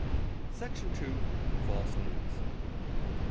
Section iii—False Names.